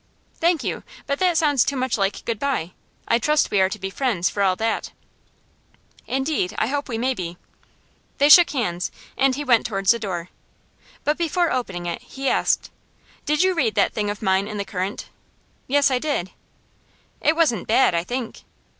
'Thank you. But that sounds too much like good bye. I trust we are to be friends, for all that?' 'Indeed, I hope we may be.' They shook hands, and he went towards the door. But before opening it, he asked: 'Did you read that thing of mine in The Current?' 'Yes, I did.' 'It wasn't bad, I think?